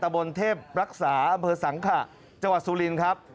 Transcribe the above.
บนเทพรักษาอำเภอสังขะจังหวัดสุรินครับ